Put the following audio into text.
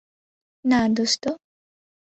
না, দোস্ত।